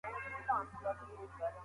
ښه ذهنیت ناامیدي نه جوړوي.